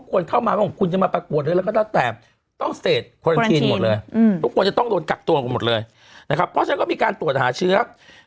หลังจากทั้งนี้ปุ๊บก็ตรวจเชื้อ